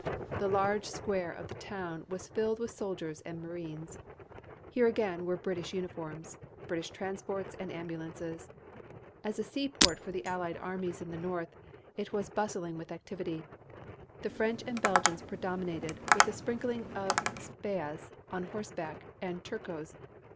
The large square of the town was filled with soldiers and marines. Here again were British uniforms, British transports and ambulances. As a seaport for the Allied Armies in the north, it was bustling with activity. The French and Belgians predominated, with a sprinkling of Spahis on horseback and Turcos.